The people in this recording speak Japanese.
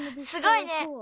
すごいね！